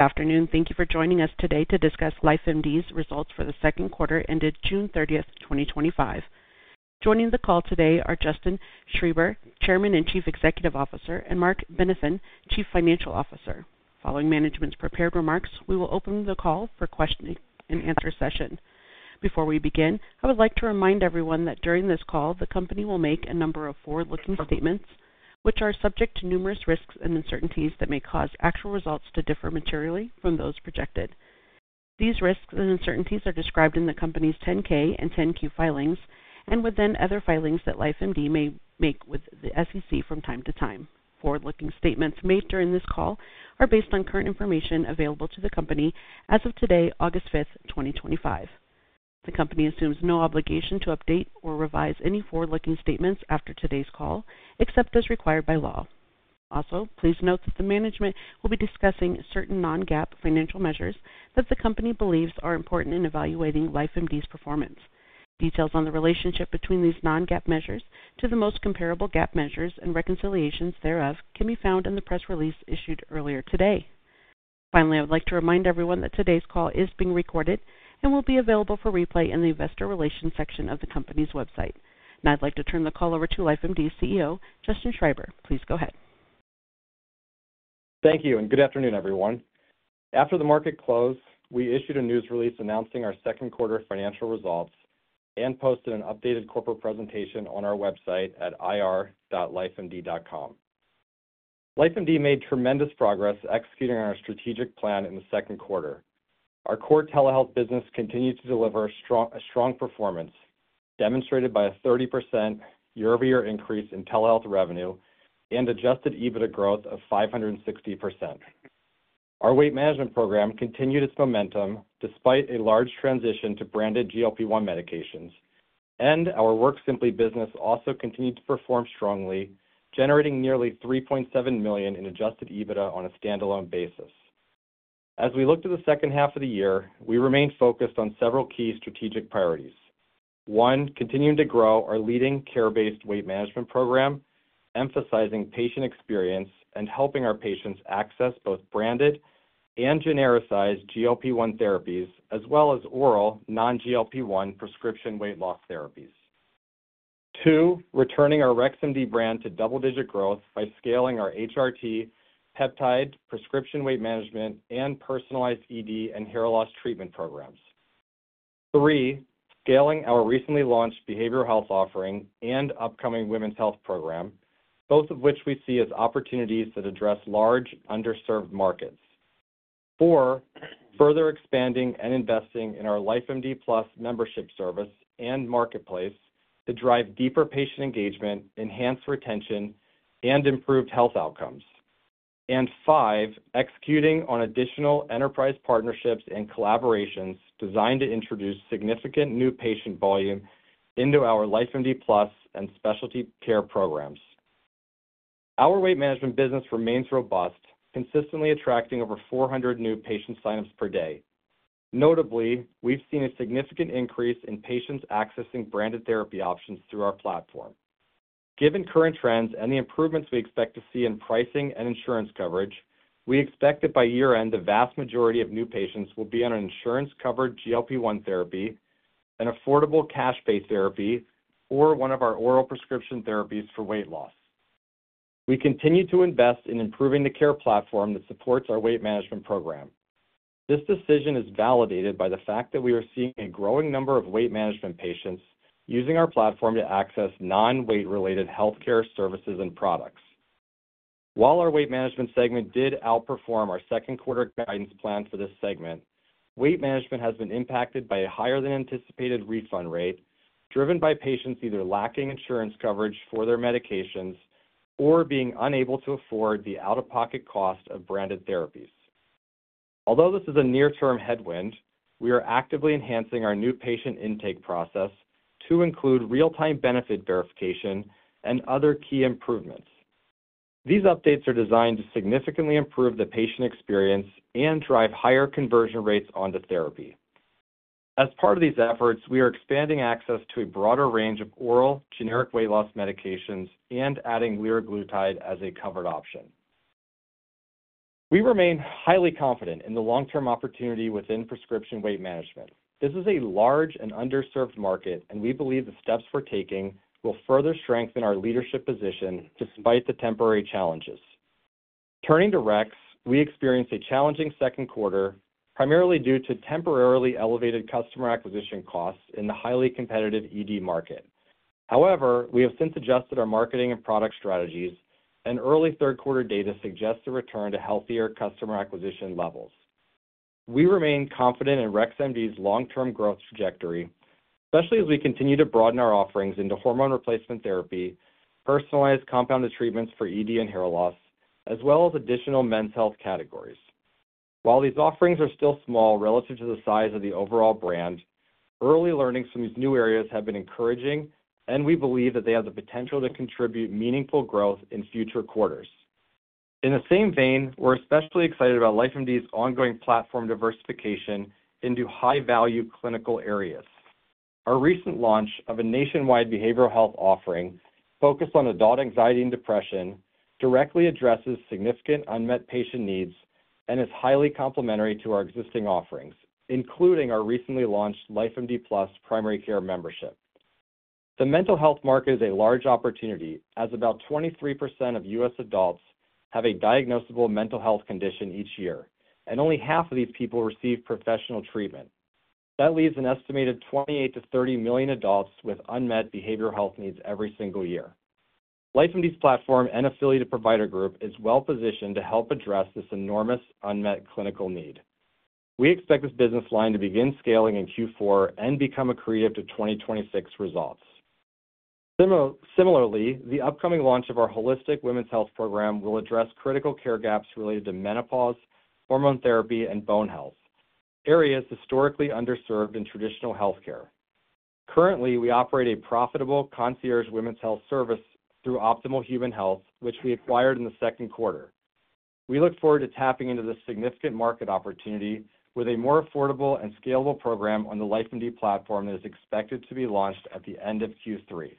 Afternoon, thank you for joining us today to discuss LifeMD's results for the second quarter ended June 30, 2025. Joining the call today are Justin Schreiber, Chairman and Chief Executive Officer, and Marc Benathen, Chief Financial Officer. Following management's prepared remarks, we will open the call for question and answer session. Before we begin, I would like to remind everyone that during this call, the company will make a number of forward-looking statements, which are subject to numerous risks and uncertainties that may cause actual results to differ materially from those projected. These risks and uncertainties are described in the company's 10-K and 10-Q filings and within other filings that LifeMD may make with the SEC from time to time. Forward-looking statements made during this call are based on current information available to the company as of today, August 5, 2025. The company assumes no obligation to update or revise any forward-looking statements after today's call, except as required by law. Also, please note that the management will be discussing certain non-GAAP financial measures that the company believes are important in evaluating LifeMD's performance. Details on the relationship between these non-GAAP measures to the most comparable GAAP measures and reconciliations thereof can be found in the press release issued earlier today. Finally, I would like to remind everyone that today's call is being recorded and will be available for replay in the investor relations section of the company's website. Now, I'd like to turn the call over to LifeMD CEO, Justin Schreiber. Please go ahead. Thank you, and good afternoon, everyone. After the market closed, we issued a news release announcing our second quarter financial results and posted an updated corporate presentation on our website at ir.lifemd.com. LifeMD made tremendous progress executing on our strategic plan in the second quarter. Our core telehealth business continues to deliver a strong performance, demonstrated by a 30% year-over-year increase in telehealth revenue and adjusted EBITDA growth of 560%. Our weight management program continued its momentum despite a large transition to branded GLP-1 medications, and our WorkSimpli business also continued to perform strongly, generating nearly $3.7 million in adjusted EBITDA on a standalone basis. As we look to the second half of the year, we remain focused on several key strategic priorities. One, continuing to grow our leading care-based weight management program, emphasizing patient experience and helping our patients access both branded and genericized GLP-1 therapies, as well as oral non-GLP-1 prescription weight loss therapies. Two, returning our RexMD brand to double-digit growth by scaling our hormone replacement therapy, peptide, prescription weight management, and personalized ED and hair loss treatment programs. Three, scaling our recently launched behavioral health services offering and upcoming women's health program, both of which we see as opportunities that address large underserved markets. Four, further expanding and investing in our LifeMDPlus membership service and marketplace to drive deeper patient engagement, enhance retention, and improved health outcomes. Five, executing on additional enterprise partnerships and collaborations designed to introduce significant new patient volume into our LifeMDPlus and specialty care programs. Our weight management business remains robust, consistently attracting over 400 new patient signups per day. Notably, we've seen a significant increase in patients accessing branded therapy options through our platform. Given current trends and the improvements we expect to see in pricing and insurance coverage, we expect that by year-end, the vast majority of new patients will be on an insurance-covered GLP-1 therapy, an affordable cash-based therapy, or one of our oral prescription medications for weight loss. We continue to invest in improving the care platform that supports our weight management program. This decision is validated by the fact that we are seeing a growing number of weight management patients using our platform to access non-weight-related healthcare services and products. While our weight management segment did outperform our second quarter guidance plan for this segment, weight management has been impacted by a higher-than-anticipated refund rate, driven by patients either lacking insurance coverage for their medications or being unable to afford the out-of-pocket cost of branded therapies. Although this is a near-term headwind, we are actively enhancing our new patient intake process to include real-time benefit verification and other key improvements. These updates are designed to significantly improve the patient experience and drive higher conversion rates onto therapy. As part of these efforts, we are expanding access to a broader range of oral generic weight loss medications and adding liraglutide as a covered option. We remain highly confident in the long-term opportunity within prescription weight management. This is a large and underserved market, and we believe the steps we're taking will further strengthen our leadership position despite the temporary challenges. Turning to RexMD, we experienced a challenging second quarter, primarily due to temporarily elevated customer acquisition costs in the highly competitive ED market. However, we have since adjusted our marketing and product strategies, and early third-quarter data suggests a return to healthier customer acquisition levels. We remain confident in RexMD's long-term growth trajectory, especially as we continue to broaden our offerings into hormone replacement therapy, personalized compounded treatments for ED and hair loss, as well as additional men's health categories. While these offerings are still small relative to the size of the overall brand, early learnings from these new areas have been encouraging, and we believe that they have the potential to contribute meaningful growth in future quarters. In the same vein, we're especially excited about LifeMD's ongoing platform diversification into high-value clinical areas. Our recent launch of a nationwide behavioral health offering focused on adult anxiety and depression directly addresses significant unmet patient needs and is highly complementary to our existing offerings, including our recently launched LifeMDPlus primary care membership. The mental health market is a large opportunity, as about 23% of U.S. adults have a diagnosable mental health condition each year, and only half of these people receive professional treatment. That leaves an estimated 28-30 million adults with unmet behavioral health needs every single year. LifeMD's platform and affiliated provider group is well-positioned to help address this enormous unmet clinical need. We expect this business line to begin scaling in Q4 and become accretive to 2026 results. Similarly, the upcoming launch of our holistic women's health program will address critical care gaps related to menopause, hormone therapy, and bone health, areas historically underserved in traditional healthcare. Currently, we operate a profitable concierge women's health service through Optimal Human Health, which we acquired in the second quarter. We look forward to tapping into this significant market opportunity with a more affordable and scalable program on the LifeMD platform that is expected to be launched at the end of Q3.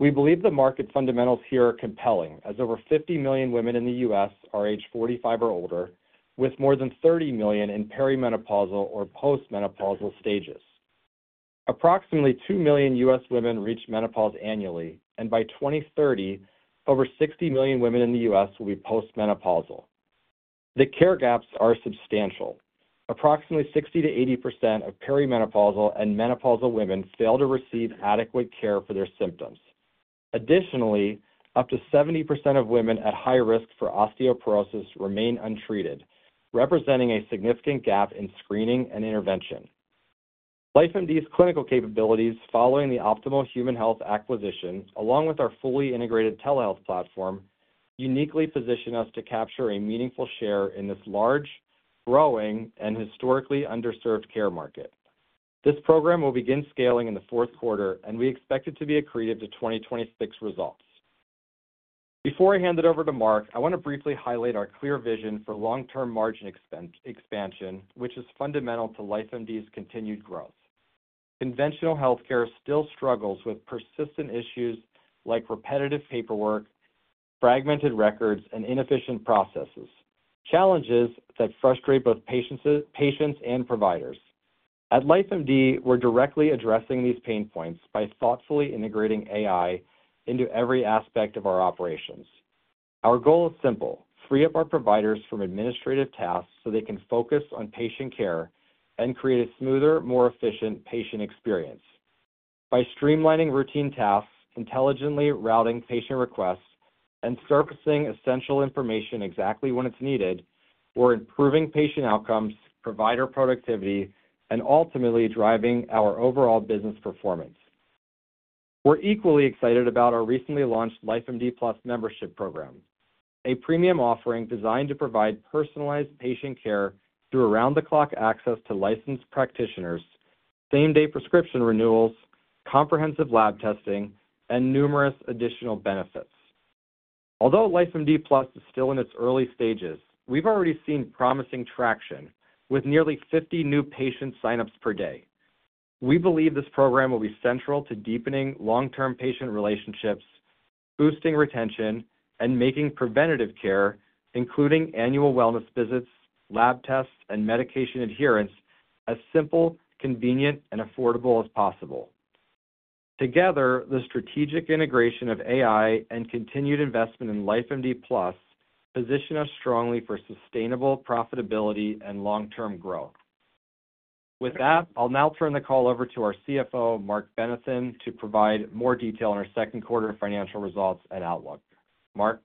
We believe the market fundamentals here are compelling, as over 50 million women in the U.S. are aged 45 or older, with more than 30 million in perimenopausal or postmenopausal stages. Approximately 2 million U.S. women reach menopause annually, and by 2030, over 60 million women in the U.S. will be postmenopausal. The care gaps are substantial. Approximately 60%-80% of perimenopausal and menopausal women fail to receive adequate care for their symptoms. Additionally, up to 70% of women at high risk for osteoporosis remain untreated, representing a significant gap in screening and intervention. LifeMD's clinical capabilities following the Optimal Human Health acquisition, along with our fully integrated telehealth platform, uniquely position us to capture a meaningful share in this large, growing, and historically underserved care market. This program will begin scaling in the fourth quarter, and we expect it to be accretive to 2026 results. Before I hand it over to Marc, I want to briefly highlight our clear vision for long-term margin expansion, which is fundamental to LifeMD's continued growth. Conventional healthcare still struggles with persistent issues like repetitive paperwork, fragmented records, and inefficient processes, challenges that frustrate both patients and providers. At LifeMD, we're directly addressing these pain points by thoughtfully integrating AI into every aspect of our operations. Our goal is simple: free up our providers from administrative tasks so they can focus on patient care and create a smoother, more efficient patient experience. By streamlining routine tasks, intelligently routing patient requests, and surfacing essential information exactly when it's needed, we're improving patient outcomes, provider productivity, and ultimately driving our overall business performance. We're equally excited about our recently launched LifeMDPlus membership program, a premium offering designed to provide personalized patient care through around-the-clock access to licensed practitioners, same-day prescription renewals, comprehensive lab testing, and numerous additional benefits. Although LifeMDPlus is still in its early stages, we've already seen promising traction with nearly 50 new patient signups per day. We believe this program will be central to deepening long-term patient relationships, boosting retention, and making preventative care, including annual wellness visits, lab tests, and medication adherence, as simple, convenient, and affordable as possible. Together, the strategic integration of AI and continued investment in LifeMDPlus position us strongly for sustainable profitability and long-term growth. With that, I'll now turn the call over to our CFO, Marc Benathen, to provide more detail on our second quarter financial results and outlook. Marc?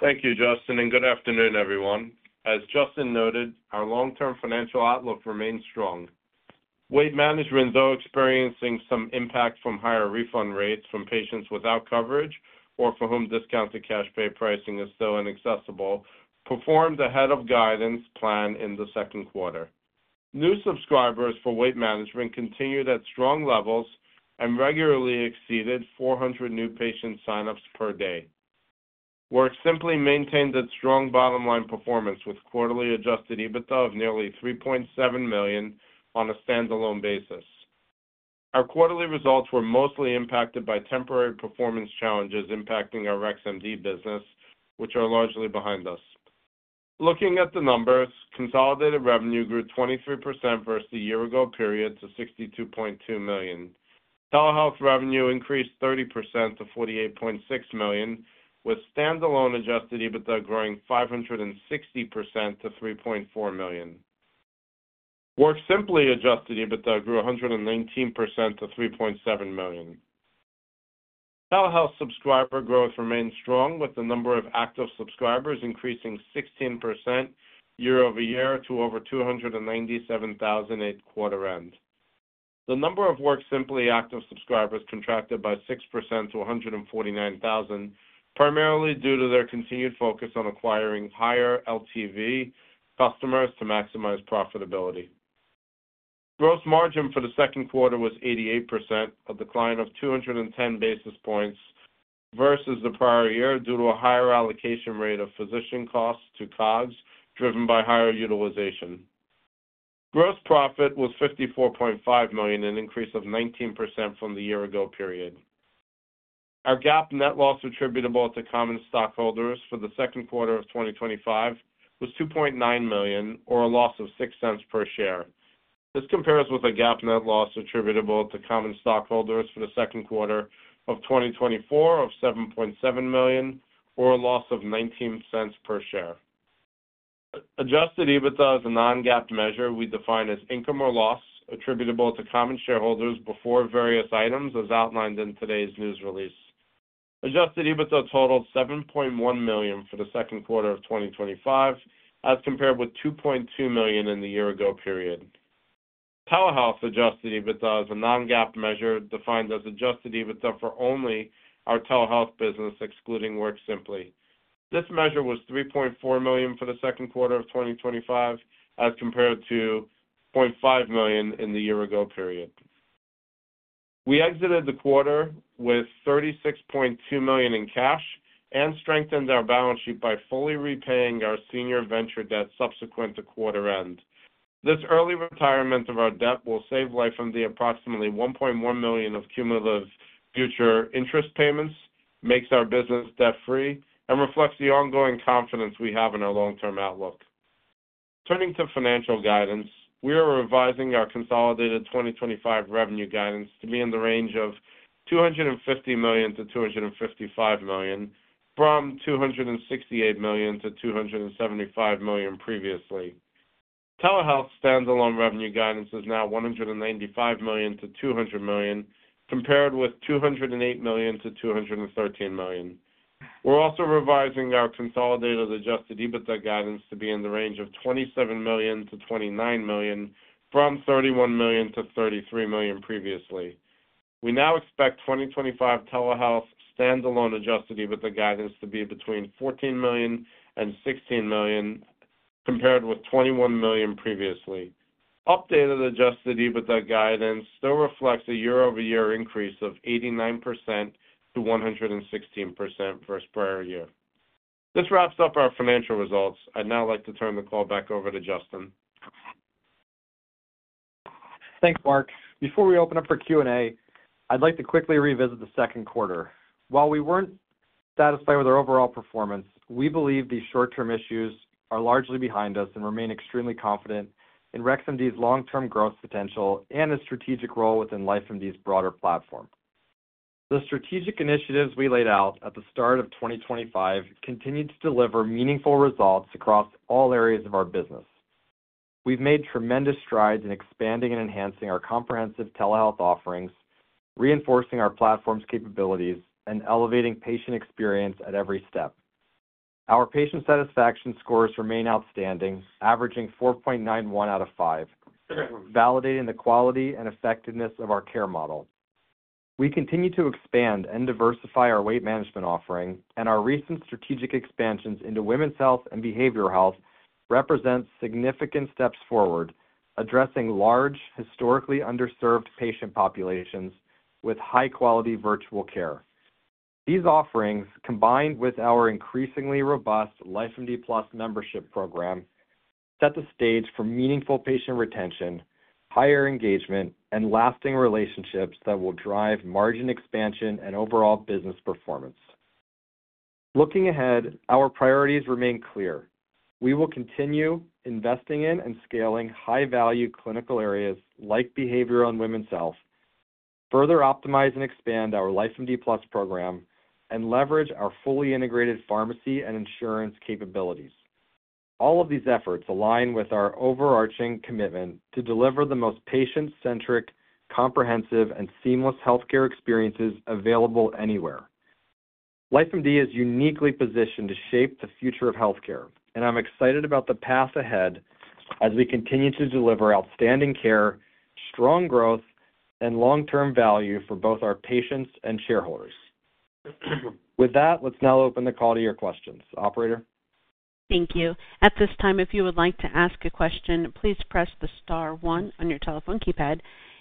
Thank you, Justin, and good afternoon, everyone. As Justin noted, our long-term financial outlook remains strong. Weight management, though experiencing some impact from higher refund rates from patients without coverage or for whom discounted cash pay pricing is still inaccessible, performed ahead of guidance planned in the second quarter. New subscribers for weight management continued at strong levels and regularly exceeded 400 new patient signups per day. WorkSimpli maintained its strong bottom-line performance with quarterly adjusted EBITDA of nearly $3.7 million on a standalone basis. Our quarterly results were mostly impacted by temporary performance challenges impacting our RexMD business, which are largely behind us. Looking at the numbers, consolidated revenue grew 23% versus the year-ago period to $62.2 million. Telehealth revenue increased 30% to $48.6 million, with standalone adjusted EBITDA growing 560% to $3.4 million. WorkSimpli adjusted EBITDA grew 119% to $3.7 million. Telehealth subscriber growth remains strong, with the number of active subscribers increasing 16% year-over-year to over 297,000 at quarter end. The number of WorkSimpli active subscribers contracted by 6% to 149,000, primarily due to their continued focus on acquiring higher LTV customers to maximize profitability. Gross margin for the second quarter was 88%, a decline of 210 basis points versus the prior year due to a higher allocation rate of physician costs to COGS, driven by higher utilization. Gross profit was $54.5 million, an increase of 19% from the year-ago period. Our GAAP net loss attributable to common stockholders for the second quarter of 2025 was $2.9 million, or a loss of $0.06 per share. This compares with a GAAP net loss attributable to common stockholders for the second quarter of 2024 of $7.7 million, or a loss of $0.19 per share. Adjusted EBITDA is a non-GAAP measure we define as income or loss attributable to common shareholders before various items, as outlined in today's news release. Adjusted EBITDA totaled $7.1 million for the second quarter of 2025, as compared with $2.2 million in the year-ago period. Telehealth adjusted EBITDA is a non-GAAP measure defined as adjusted EBITDA for only our telehealth business, excluding WorkSimpli. This measure was $3.4 million for the second quarter of 2025, as compared to $0.5 million in the year-ago period. We exited the quarter with $36.2 million in cash and strengthened our balance sheet by fully repaying our senior venture debt subsequent to quarter end. This early retirement of our debt will save LifeMD approximately $1.1 million of cumulative future interest payments, makes our business debt-free, and reflects the ongoing confidence we have in our long-term outlook. Turning to financial guidance, we are revising our consolidated 2025 revenue guidance to be in the range of $250 million-$255 million, from $268 million-$275 million previously. Telehealth standalone revenue guidance is now $195 million to $200 million, compared with $208 million-$213 million. We're also revising our consolidated adjusted EBITDA guidance to be in the range of $27 million-$29 million, from $31 million-$33 million previously. We now expect 2025 telehealth standalone adjusted EBITDA guidance to be between $14 million and $16 million, compared with $21 million previously. Updated adjusted EBITDA guidance still reflects a year-over-year increase of 89%-116% versus prior year. This wraps up our financial results. I'd now like to turn the call back over to Justin. Thanks, Marc. Before we open up for Q&A, I'd like to quickly revisit the second quarter. While we weren't satisfied with our overall performance, we believe these short-term issues are largely behind us and remain extremely confident in RexMD's long-term growth potential and its strategic role within LifeMD's broader platform. The strategic initiatives we laid out at the start of 2025 continue to deliver meaningful results across all areas of our business. We've made tremendous strides in expanding and enhancing our comprehensive telehealth offerings, reinforcing our platform's capabilities, and elevating patient experience at every step. Our patient satisfaction scores remain outstanding, averaging 4.91 out of 5, validating the quality and effectiveness of our care model. We continue to expand and diversify our weight management offering, and our recent strategic expansions into women's health and behavioral health represent significant steps forward, addressing large, historically underserved patient populations with high-quality virtual care. These offerings, combined with our increasingly robust LifeMDPlus membership program, set the stage for meaningful patient retention, higher engagement, and lasting relationships that will drive margin expansion and overall business performance. Looking ahead, our priorities remain clear. We will continue investing in and scaling high-value clinical areas like behavioral and women's health, further optimize and expand our LifeMDPlus program, and leverage our fully integrated pharmacy and insurance capabilities. All of these efforts align with our overarching commitment to deliver the most patient-centric, comprehensive, and seamless healthcare experiences available anywhere. LifeMD is uniquely positioned to shape the future of healthcare, and I'm excited about the path ahead as we continue to deliver outstanding care, strong growth, and long-term value for both our patients and shareholders. With that, let's now open the call to your questions. Operator. Thank you. At this time, if you would like to ask a question, please press the star one on your telephone keypad.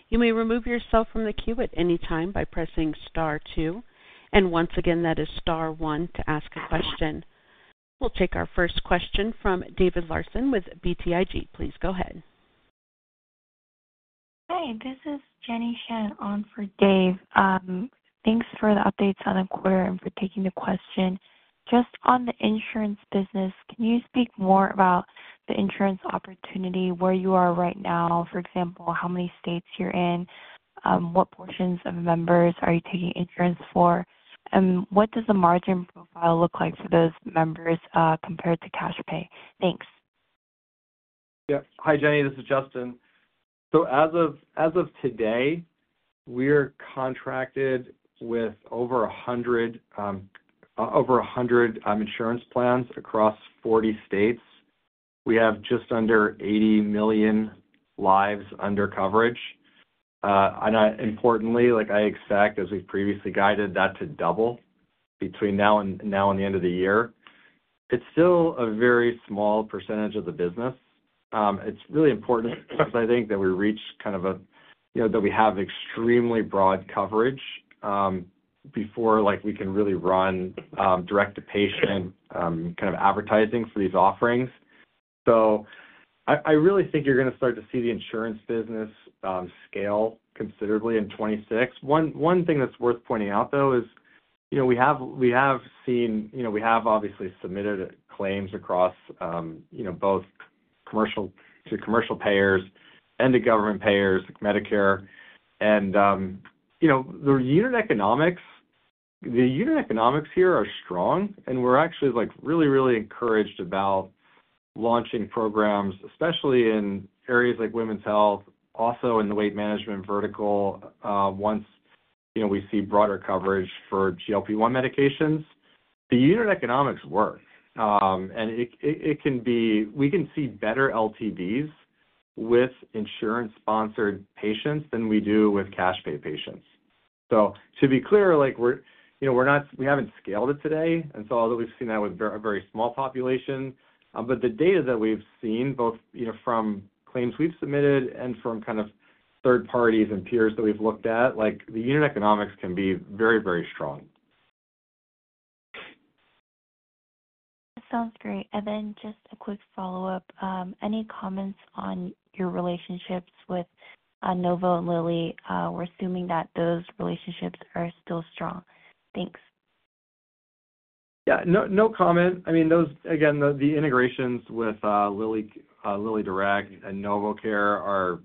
You may remove yourself from the queue at any time by pressing star two, and once again, that is star one to ask a question. We'll take our first question from David Larson with BTIG. Please go ahead. Hi, this is Jenny Shen on for Dave. Thanks for the updates on the quarter and for taking the question. Just on the insurance business, can you speak more about the insurance opportunity, where you are right now? For example, how many states you're in? What portions of members are you taking insurance for? What does the margin profile look like for those members, compared to cash pay? Thanks. Yeah. Hi, Jenny. This is Justin. As of today, we are contracted with over 100 insurance plans across 40 states. We have just under 80 million lives under coverage. I expect, as we've previously guided, that to double between now and the end of the year. It's still a very small percentage of the business. It's really important because I think that we reach kind of a, you know, that we have extremely broad coverage before we can really run direct-to-patient advertising for these offerings. I really think you're going to start to see the insurance business scale considerably in 2026. One thing that's worth pointing out, though, is we have seen, you know, we have obviously submitted claims across both commercial payers and government payers, Medicare. The unit economics here are strong, and we're actually really, really encouraged about launching programs, especially in areas like women's health, also in the weight management vertical, once we see broader coverage for GLP-1 medications. The unit economics work, and we can see better LTVs with insurance-sponsored patients than we do with cash-pay patients. To be clear, we're not, we haven't scaled it today. Although we've seen that with a very small population, the data that we've seen, both from claims we've submitted and from third parties and peers that we've looked at, the unit economics can be very, very strong. That sounds great. Just a quick follow-up. Any comments on your relationships with LillyDirect or NovoCare? We're assuming that those relationships are still strong. Thanks. No comment. I mean, the integrations with LillyDirect and NovoCare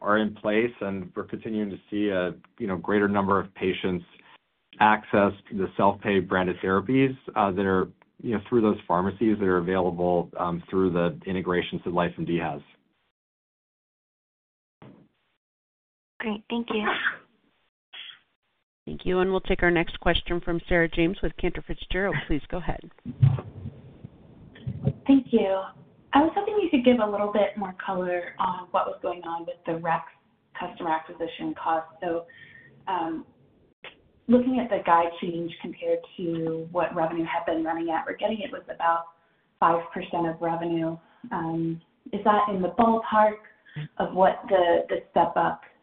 are in place, and we're continuing to see a greater number of patients access the self-pay branded therapies that are through those pharmacies that are available through the integrations that LifeMD has. Great, thank you. Thank you. We'll take our next question from Sarah Elizabeth James with Cantor Fitzgerald. Please go ahead. Thank you. I was hoping you could give a little bit more color on what was going on with the RexMD customer acquisition cost. Looking at the guide change compared to what revenue had been running at, we're getting it was about 5% of revenue. Is that in the ballpark of what the step up in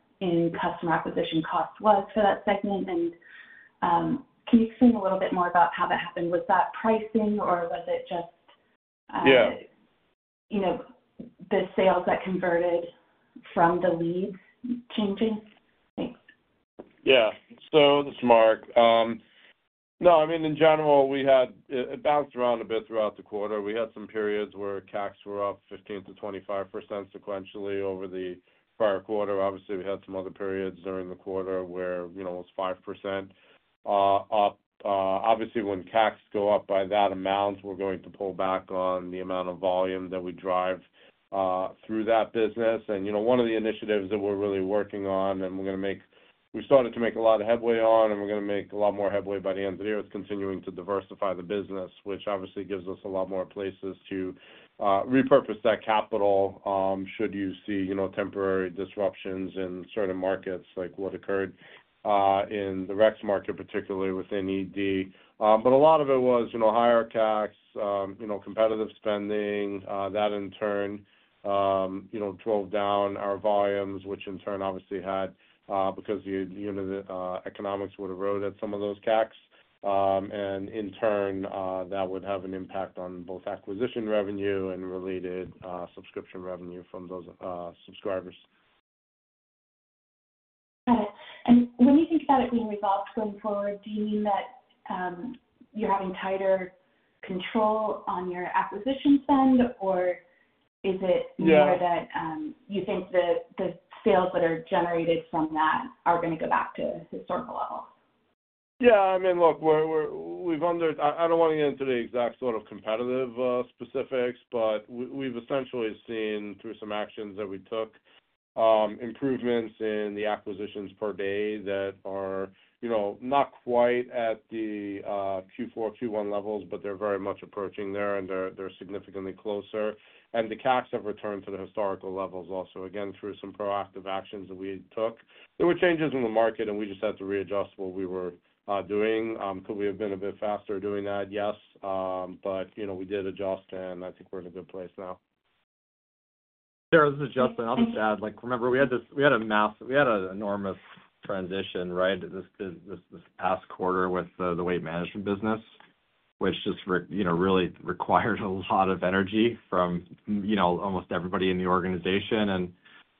customer acquisition cost was for that segment? Can you explain a little bit more about how that happened? Was that pricing, or was it just the sales that converted from the leads changing? Thanks. Yeah. This is Marc. In general, we had it bounced around a bit throughout the quarter. We had some periods where CACs were up 15%-25% sequentially over the prior quarter. Obviously, we had some other periods during the quarter where it was 5% up. Obviously, when CACs go up by that amount, we're going to pull back on the amount of volume that we drive through that business. One of the initiatives that we're really working on, and we started to make a lot of headway on, and we're going to make a lot more headway by the end of the year, is continuing to diversify the business, which obviously gives us a lot more places to repurpose that capital, should you see temporary disruptions in certain markets like what occurred in the RexMD market, particularly within ED. A lot of it was higher CACs, competitive spending, that in turn drove down our volumes, which in turn obviously had, because the unit economics would erode at some of those CACs. In turn, that would have an impact on both acquisition revenue and related subscription revenue from those subscribers. Got it. When you think about it being resolved going forward, do you mean that you're having tighter control on your acquisition spend, or is it more that you think the sales that are generated from that are going to go back to a historical level? Yeah. I mean, look, we've essentially seen through some actions that we took, improvements in the acquisitions per day that are, you know, not quite at the Q4, Q1 levels, but they're very much approaching there, and they're significantly closer. The CACs have returned to the historical levels also, again, through some proactive actions that we took. There were changes in the market, and we just had to readjust what we were doing. Could we have been a bit faster doing that? Yes. But, you know, we did adjust, and I think we're in a good place now. Sarah, this is Justin. I'll just add, remember, we had a massive, enormous transition this past quarter with the weight management business, which really required a lot of energy from almost everybody in the organization.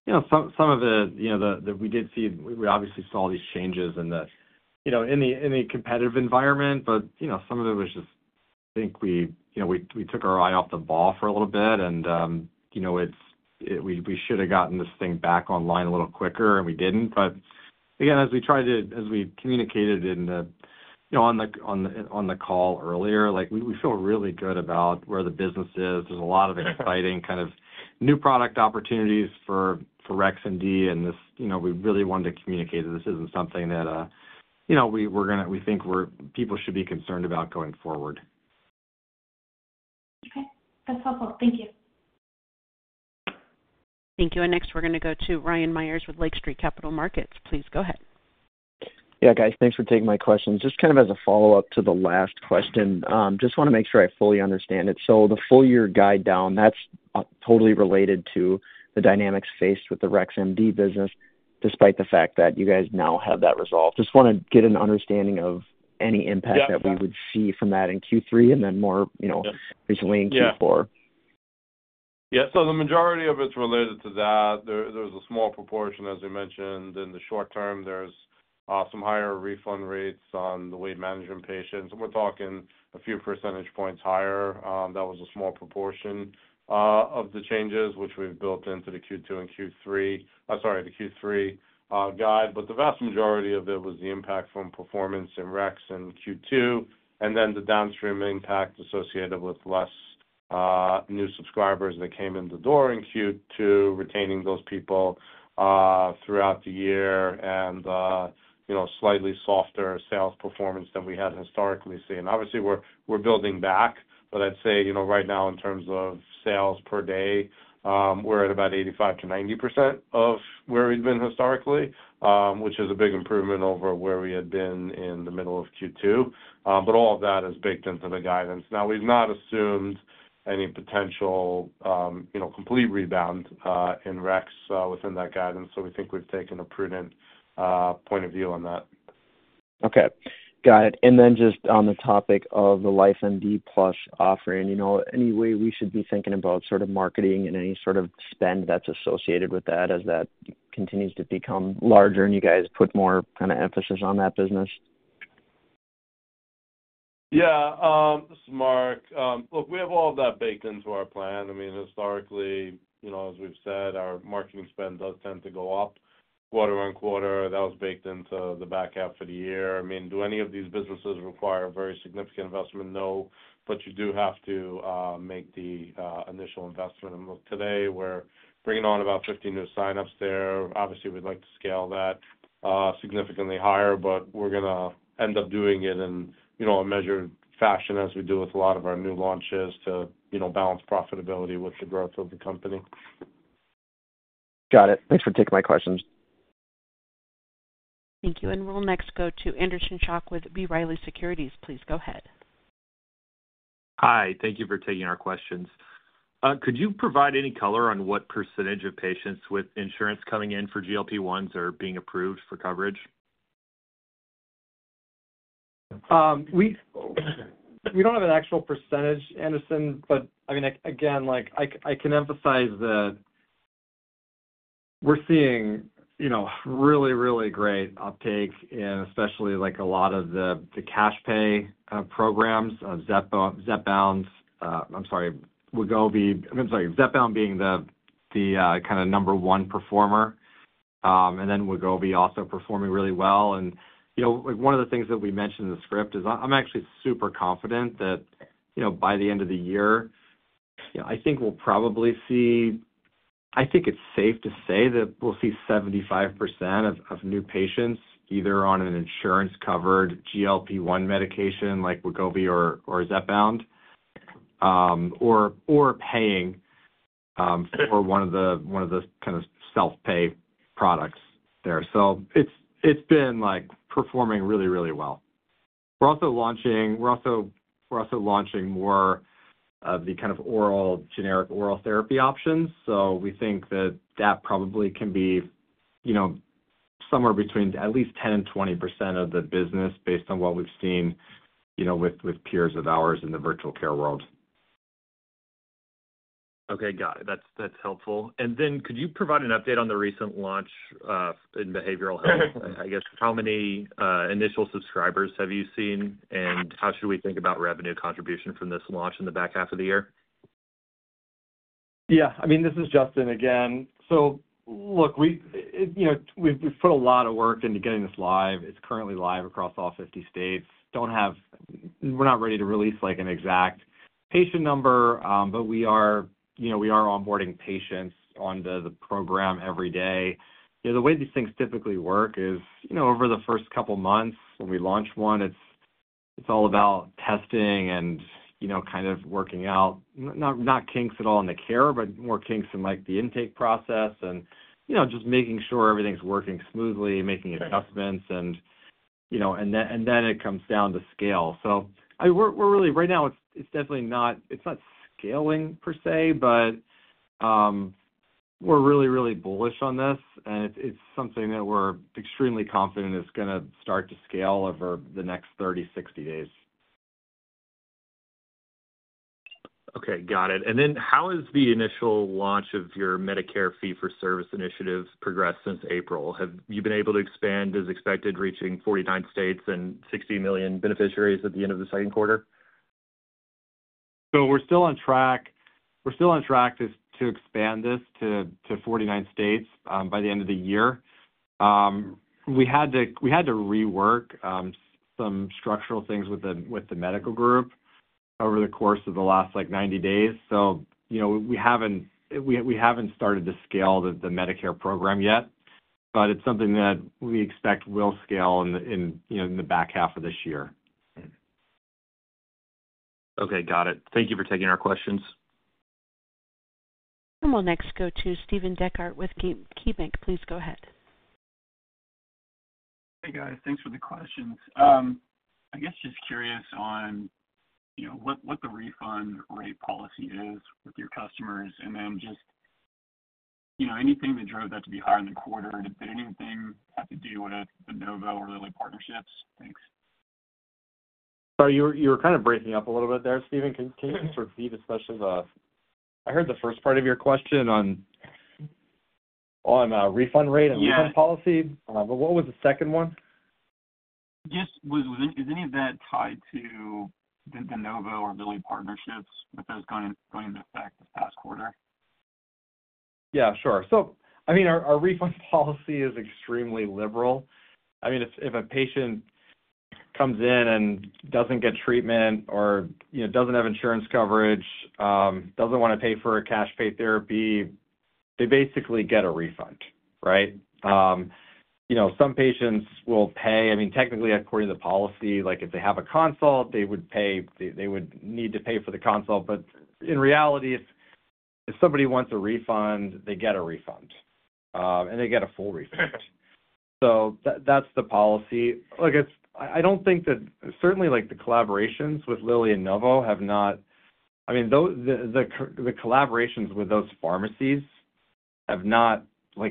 We did see, we obviously saw all these changes in the competitive environment, but some of it was just, I think we took our eye off the ball for a little bit. We should have gotten this thing back online a little quicker, and we didn't. Again, as we communicated on the call earlier, we feel really good about where the business is. There's a lot of exciting new product opportunities for RexMD, and we really wanted to communicate that this isn't something that we think people should be concerned about going forward. Okay, that's helpful. Thank you. Thank you. Next, we're going to go to Ryan Robert Meyers with Lake Street Capital Markets. Please go ahead. Yeah, thanks for taking my question. Just as a follow-up to the last question, I just want to make sure I fully understand it. The full-year guide down is totally related to the dynamics faced with the RexMD business, despite the fact that you now have that resolved. I just want to get an understanding of any impact that we would see from that in Q3 and then more recently in Q4. Yeah. The majority of it's related to that. There's a small proportion, as we mentioned, in the short term, there's some higher refund rates on the weight management patients. We're talking a few percentage points higher. That was a small proportion of the changes, which we've built into the Q2 and Q3, sorry, the Q3, guide. The vast majority of it was the impact from performance in RexMD in Q2, and then the downstream impact associated with fewer new subscribers that came in the door in Q2, retaining those people throughout the year, and, you know, slightly softer sales performance than we had historically seen. Obviously, we're building back. I'd say, you know, right now, in terms of sales per day, we're at about 85%-90% of where we've been historically, which is a big improvement over where we had been in the middle of Q2. All of that is baked into the guidance. We've not assumed any potential, you know, complete rebound in RexMD within that guidance. We think we've taken a prudent point of view on that. Okay. Got it. On the topic of the LifeMDPlus offering, is there any way we should be thinking about sort of marketing and any sort of spend that's associated with that as that continues to become larger and you guys put more kind of emphasis on that business? Yeah, this is Marc. Look, we have all of that baked into our plan. I mean, historically, you know, as we've said, our marketing spend does tend to go up quarter on quarter. That was baked into the back half of the year. I mean, do any of these businesses require a very significant investment? No, but you do have to make the initial investment. Look, today, we're bringing on about 50 new signups there. Obviously, we'd like to scale that significantly higher, but we're going to end up doing it in, you know, a measured fashion as we do with a lot of our new launches to, you know, balance profitability with the growth of the company. Got it. Thanks for taking my questions. Thank you. We'll next go to Anderson Schock with B. Riley Securities. Please go ahead. Hi. Thank you for taking our questions. Could you provide any color on what % of patients with insurance coming in for GLP-1s are being approved for coverage? We don't have an actual percentage, Anderson, but I can emphasize that we're seeing really, really great uptake in especially a lot of the cash pay programs of Zepbound. I'm sorry, Wegovy. I'm sorry, Zepbound being the kind of number one performer, and then Wegovy also performing really well. One of the things that we mentioned in the script is I'm actually super confident that by the end of the year, I think we'll probably see, I think it's safe to say that we'll see 75% of new patients either on an insurance-covered GLP-1 medication like Wegovy or Zepbound, or paying for one of the kind of self-pay products there. It's been performing really, really well. We're also launching more of the kind of oral generic oral therapy options. We think that that probably can be somewhere between at least 10% and 20% of the business based on what we've seen with peers of ours in the virtual care world. Okay. Got it. That's helpful. Could you provide an update on the recent launch in behavioral health? I guess, how many initial subscribers have you seen? How should we think about revenue contribution from this launch in the back half of the year? Yeah, I mean, this is Justin again. Look, we've put a lot of work into getting this live. It's currently live across all 50 states. We're not ready to release an exact patient number, but we are onboarding patients onto the program every day. The way these things typically work is, over the first couple of months when we launch one, it's all about testing and kind of working out, not kinks at all in the care, but more kinks in the intake process and just making sure everything's working smoothly, making adjustments, and then it comes down to scale. We're really, right now, it's definitely not scaling per se, but we're really, really bullish on this. It's something that we're extremely confident is going to start to scale over the next 30, 60 days. Okay. Got it. How has the initial launch of your Medicare fee-for-service initiative progressed since April? Have you been able to expand as expected, reaching 49 states and 60 million beneficiaries at the end of the second quarter? We're still on track to expand this to 49 states by the end of the year. We had to rework some structural things with the medical group over the course of the last 90 days. We haven't started to scale the Medicare program yet, but it's something that we expect will scale in the back half of this year. Okay. Got it. Thank you for taking our questions. We will next go to Steven Craig Dechert with KeyBanc. Please go ahead. Hey, guys. Thanks for the questions. I guess just curious on what the refund rate policy is with your customers, and then anything that drove that to be higher in the quarter. Did anything have to do with the NovoCare or LillyDirect partnerships? Thanks. Sorry, you were kind of breaking up a little bit there, Steven. Can you repeat especially the—I heard the first part of your question on a refund rate and refund policy, but what was the second one? Yes. Was any of that tied to the NovoCare or LillyDirect partnerships with those going back this past quarter? Yeah, sure. Our refund policy is extremely liberal. If a patient comes in and doesn't get treatment or doesn't have insurance coverage, doesn't want to pay for a cash-pay therapy, they basically get a refund, right? Some patients will pay. Technically, according to the policy, if they have a consult, they would need to pay for the consult. In reality, if somebody wants a refund, they get a refund, and they get a full refund. That's the policy. I don't think that certainly the collaborations with Lilly and Novo have not, the collaborations with those pharmacies have not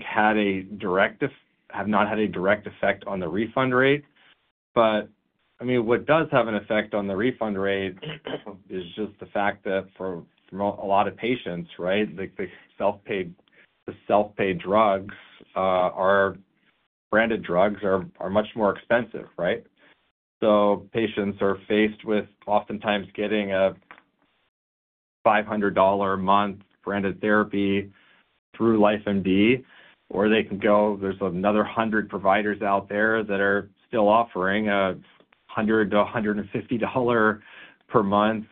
had a direct effect on the refund rate. What does have an effect on the refund rate is just the fact that for a lot of patients, the self-pay drugs, branded drugs, are much more expensive, right? Patients are faced with oftentimes getting a $500 per month branded therapy through LifeMD, or they can go, there's another 100 providers out there that are still offering a $100-$150 per month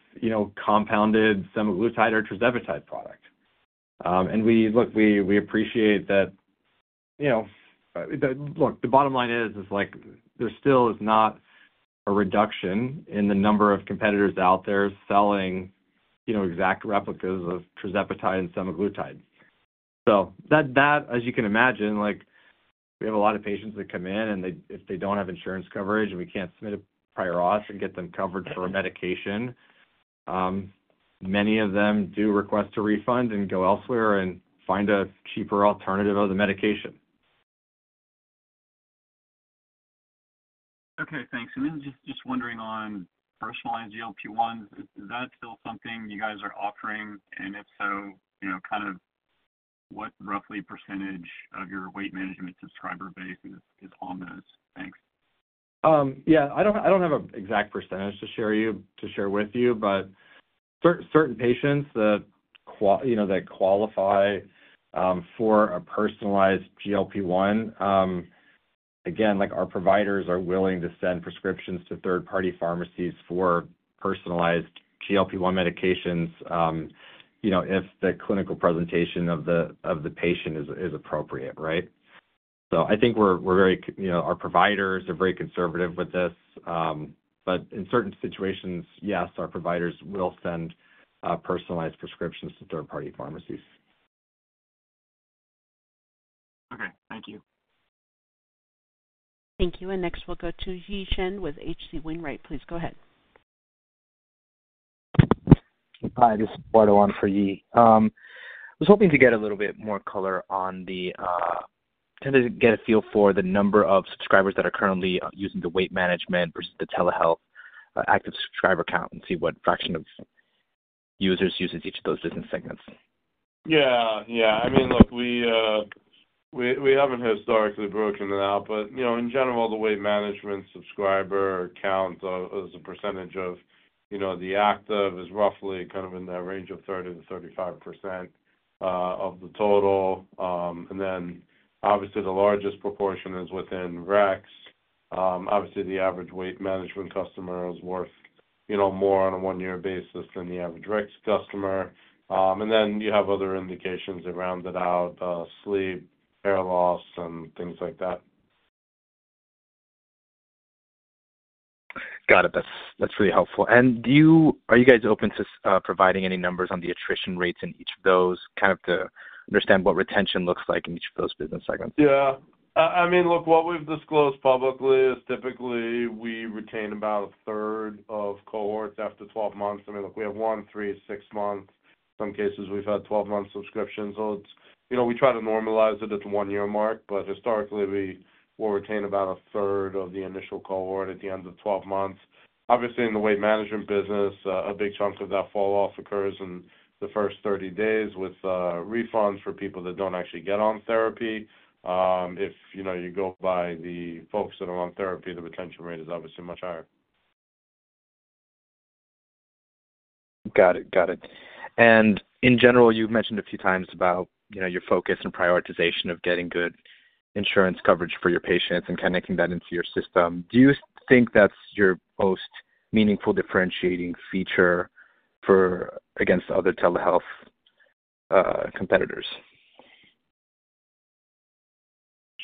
compounded semaglutide or tirzepatide product. We appreciate that. The bottom line is, there still is not a reduction in the number of competitors out there selling exact replicas of tirzepatide and semaglutide. As you can imagine, we have a lot of patients that come in and if they don't have insurance coverage and we can't submit a prior auth and get them covered for a medication, many of them do request a refund and go elsewhere and find a cheaper alternative of the medication. Okay. Thanks. Just wondering on first-line GLP-1s, is that still something you guys are offering? If so, you know, kind of what roughly % of your weight management subscriber base is on those? Thanks. I don't have an exact % to share with you, but certain patients that qualify for a personalized GLP-1, our providers are willing to send prescriptions to third-party pharmacies for personalized GLP-1 medications if the clinical presentation of the patient is appropriate, right? I think our providers are very conservative with this, but in certain situations, yes, our providers will send personalized prescriptions to third-party pharmacies. Okay, thank you. Thank you. Next, we'll go to Yi Chen with H.C. Wainwright. Please go ahead. Hi, this is Eduardo on for Yi. I was hoping to get a little bit more color to get a feel for the number of subscribers that are currently using the weight management versus the telehealth active subscriber count and see what fraction of users uses each of those business segments. Yeah. I mean, look, we haven't historically broken it out, but you know, in general, the weight management subscriber count is a percentage of, you know, the active is roughly kind of in that range of 30%-35% of the total. Obviously, the largest proportion is within RexMD. Obviously, the average weight management customer is worth, you know, more on a one-year basis than the average RexMD customer, and then you have other indications that round it out, sleep, hair loss, and things like that. Got it. That's really helpful. Are you guys open to providing any numbers on the attrition rates in each of those, kind of to understand what retention looks like in each of those business segments? Yeah. I mean, look, what we've disclosed publicly is typically we retain about a third of cohorts after 12 months. We have one, three, six months. In some cases, we've had 12-month subscriptions. It's, you know, we try to normalize it at the one-year mark, but historically, we will retain about a third of the initial cohort at the end of 12 months. Obviously, in the weight management business, a big chunk of that falloff occurs in the first 30 days with refunds for people that don't actually get on therapy. If you go by the folks that are on therapy, the retention rate is obviously much higher. Got it. In general, you've mentioned a few times about your focus and prioritization of getting good insurance coverage for your patients and making that into your system. Do you think that's your most meaningful differentiating feature against other telehealth competitors?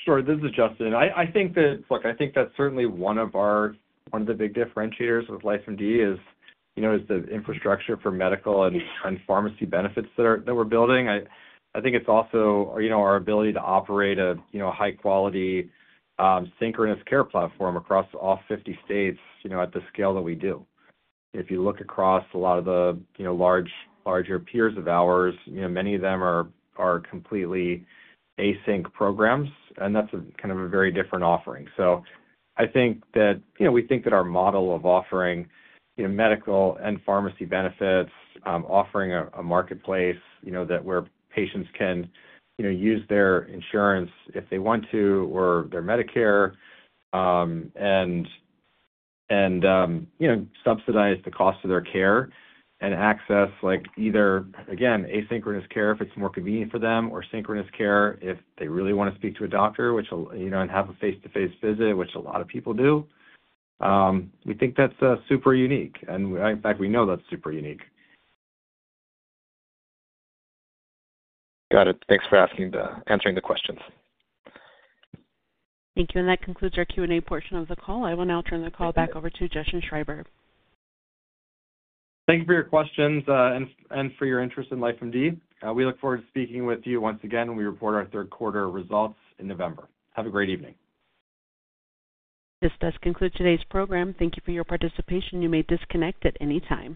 Sure. This is Justin. I think that's certainly one of the big differentiators with LifeMD, the infrastructure for medical and pharmacy benefits that we're building. I think it's also our ability to operate a high-quality, synchronous care platform across all 50 states at the scale that we do. If you look across a lot of the larger peers of ours, many of them are completely async programs, and that's a very different offering. I think that our model of offering medical and pharmacy benefits, offering a marketplace where patients can use their insurance if they want to or their Medicare, and subsidize the cost of their care and access either asynchronous care if it's more convenient for them or synchronous care if they really want to speak to a doctor and have a face-to-face visit, which a lot of people do, we think that's super unique. In fact, we know that's super unique. Got it. Thanks for answering the questions. Thank you. That concludes our Q&A portion of the call. I will now turn the call back over to Justin Schreiber. Thank you for your questions and for your interest in LifeMD. We look forward to speaking with you once again when we report our third quarter results in November. Have a great evening. This does conclude today's program. Thank you for your participation. You may disconnect at any time.